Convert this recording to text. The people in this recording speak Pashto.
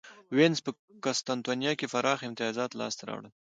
وینز په قسطنطنیه کې پراخ امیتازات لاسته راوړل.